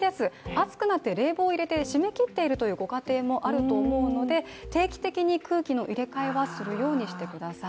暑くなって冷房を入れて閉め切っているというご家庭もあると思うので定期的に空気の入れかえはするようにしてください。